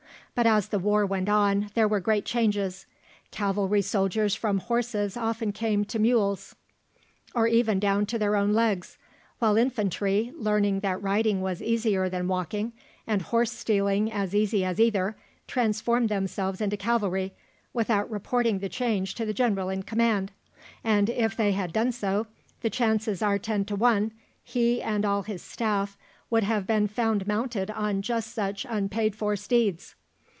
But as the war went on, there were great changes. Cavalry soldiers from horses often came to mules, or even down to their own legs; while infantry, learning that riding was easier than walking, and horse stealing as easy as either, transformed themselves into cavalry, without reporting the change to the general in command, and if they had done so, the chances are ten to one he and all his staff would have been found mounted on just such unpaid for steeds.